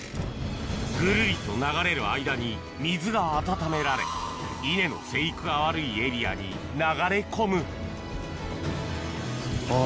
ぐるりと流れる間に水が温められ稲の生育が悪いエリアに流れ込むあぁ